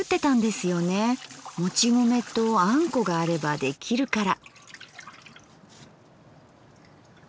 もち米とあんこがあればできるから。